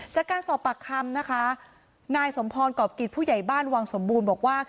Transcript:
จากการสอบปากคำนะคะนายสมพรกรอบกิจผู้ใหญ่บ้านวังสมบูรณ์บอกว่า